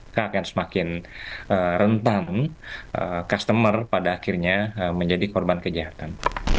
kita akan semakin rentan customer pada akhirnya menjadi korban kejahatan